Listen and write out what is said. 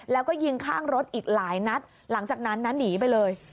แล้วก็ยิงข้างรถอีกหลายนัดหลังจากนั้นนะหนีไปเลย